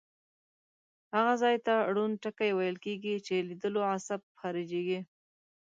هغه ځای ته ړوند ټکی ویل کیږي چې لیدلو عصب خارجیږي.